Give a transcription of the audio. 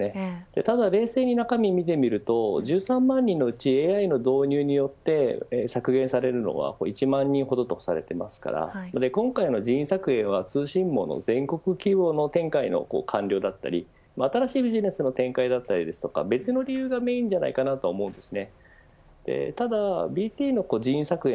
ただ冷静に中身を見てみると１３万人のうちＡＩの導入によって削減されるのは１万人ほどとされていますから今回の人員削減には通信網の全国企業の展開の完了だったり新しいビジネスの転換だったり別の理由がメインじゃないかなと思います。